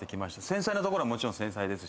繊細なところはもちろん繊細ですし。